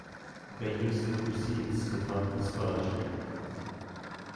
They used the proceeds to fund the scholarship.